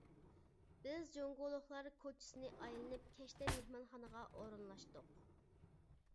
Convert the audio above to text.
بىز جۇڭگولۇقلار كوچىسىنى ئايلىنىپ كەچتە مېھمانخانىغا ئورۇنلاشتۇق.